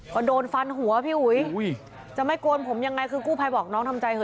ก็โดนฟันหัวพี่อุ๋ยจะไม่โกนผมยังไงคือกู้ภัยบอกน้องทำใจเถ